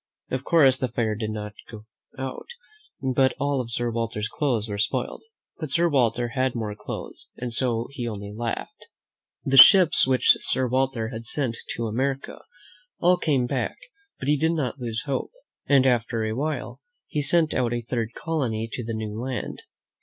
Of course the fire did not go out, but all of Sir Walter's clothes were spoiled; but Sir Walter had more clothes, and so he only laughed. The ships which Sir Walter had sent to America all came back, but he did not lose hope, and after a while he sent out a third colony to the new land.